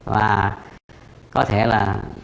và có thể là